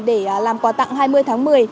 để làm quà tặng hai mươi tháng một mươi